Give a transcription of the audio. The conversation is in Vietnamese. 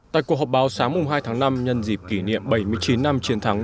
tại cuộc họp báo sáng hai tháng năm nhân dịp kỷ niệm bảy mươi chín năm chiến thắng